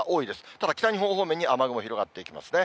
ただ、北日本方面に雨雲広がっていきますね。